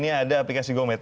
ini ada aplikasi go med